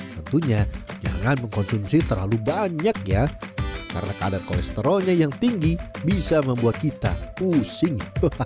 tentunya jangan mengkonsumsi terlalu banyak ya karena kadar kolesterolnya yang tinggi bisa membuat kita pusing